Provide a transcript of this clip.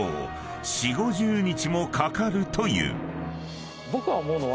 ［４０５０日もかかるという］